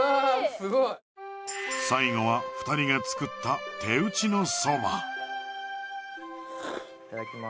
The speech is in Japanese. すごい最後は２人が作った手打ちのそばいただきます